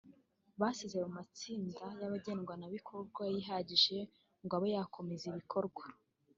basize ayo matsinda y’abagenerwabikorwa yihagije ngo abe yakomeza ibikorwa